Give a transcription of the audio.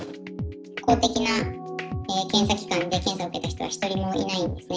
公的な検査機関で検査を受けた人は１人もいないんですね。